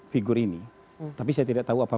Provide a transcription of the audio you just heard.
figur ini tapi saya tidak tahu apa